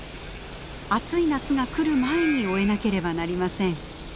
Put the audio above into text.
暑い夏が来る前に終えなければなりません。